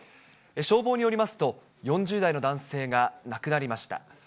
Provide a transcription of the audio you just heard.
消防によりますと、４０代の男性が亡くなりました。